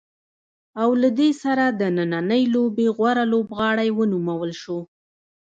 او له دې سره د نننۍ لوبې غوره لوبغاړی ونومول شو.